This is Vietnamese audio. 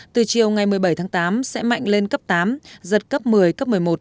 từ chiều ngày một mươi bảy tháng tám sẽ mạnh lên cấp tám giật cấp một mươi cấp một mươi một